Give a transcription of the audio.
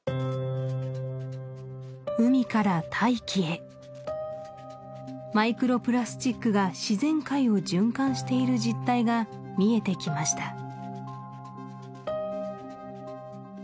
海から大気へマイクロプラスチックが自然界を循環している実態が見えてきました